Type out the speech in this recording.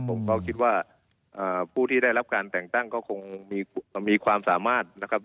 ผมก็คิดว่าผู้ที่ได้รับการแต่งตั้งก็คงมีความสามารถนะครับ